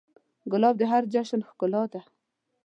ګلاب د هر جشن ښکلا ده.